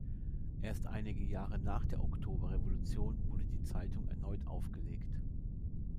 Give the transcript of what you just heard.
Erst einige Jahre nach der Oktoberrevolution wurde die Zeitung erneut aufgelegt.